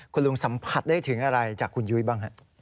คุณลุงสัมผัสได้ถึงอะไรจากคุณยุ้ยบ้างฮะ